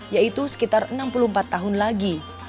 yaitu sekitar enam puluh empat tahun lagi